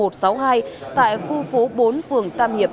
tại khu phố bốn phường tam hiệp